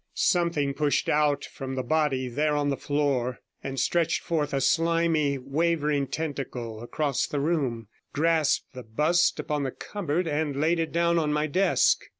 Something pushed out from the body there on the floor, and stretched forth a slimy, wavering tentacle, across the room, grasped the bust upon the cupboard, and laid it down on my desk.